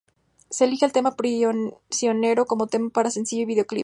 Se elige el tema "Prisionero" como tema para sencillo y videoclip.